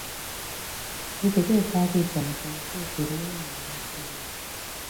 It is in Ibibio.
Ete ke akpa ekikọ mkpọñ ke obodom ayamaana osio uyo.